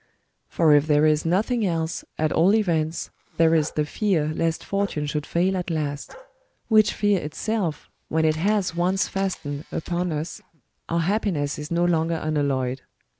Por if there is nothing else, at all events, there is the fear lest fortune should fail at last ; which fear itself, when it has once fastened upon us, our happiness is no longer unalloyed.